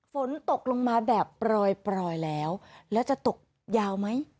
ฝนตกลงมาแบบปล่อยแล้วแล้วจะตกยาวไหม